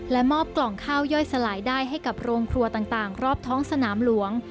มอบกล่องข้าวย่อยสลายได้ให้กับโรงครัวต่างรอบท้องสนามหลวง